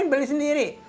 ngapain beli sendiri